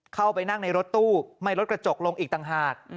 เข้าไปนั่งในรถตู้ไม่ลดกระจกลงอีกต่างหาก